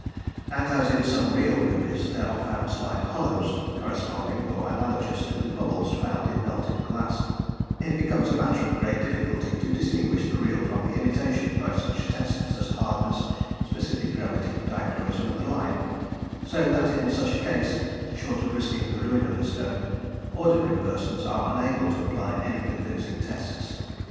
And as in some real rubies there are found slight hollows corresponding or analogous to the bubbles found in melted glass, it becomes a matter of great difficulty to distinguish the real from the imitation by such tests as hardness, specific gravity, dichroism, and the like, so that in such a case, short of risking the ruin of the stone, ordinary persons are unable to apply any convincing tests.